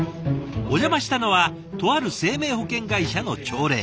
お邪魔したのはとある生命保険会社の朝礼。